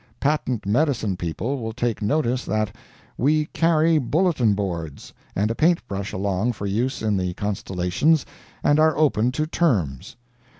Patent medicine people will take notice that WE CARRY BULLETIN BOARDS and a paint brush along for use in the constellations, and are open to terms.